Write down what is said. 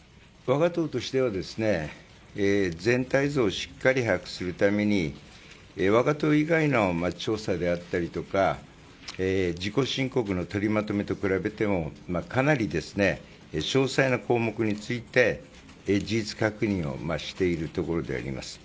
我が党としては全体像をしっかり把握するために我が党以外の調査であったりとか自己申告の取りまとめと比べてもかなり詳細の項目について事実確認をしているところであります。